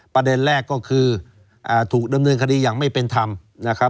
ประเด็นแรกก็คือถูกดำเนินคดียังไม่เป็นทำ